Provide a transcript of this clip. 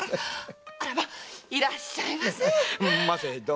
あらいらっしゃいませ！ませ。